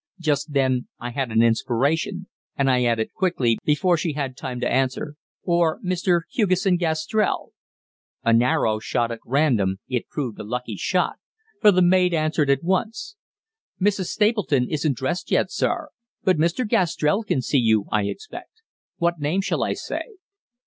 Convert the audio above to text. Just then I had an inspiration, and I added quickly, before she had time to answer, "or Mr. Hugesson Gastrell?" An arrow shot at random, it proved a lucky shot, for the maid answered at once: "Mrs. Stapleton isn't dressed yet, sir; but Mr. Gastrell can see you, I expect. What name shall I say?"